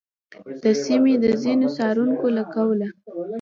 د سیمې د ځینو څارونکو له قوله،